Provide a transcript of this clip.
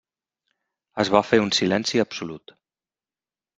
Es va fer un silenci absolut.